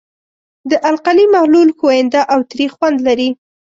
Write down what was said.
د القلي محلول ښوینده او تریخ خوند لري.